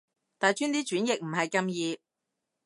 大專啲傳譯唔係咁易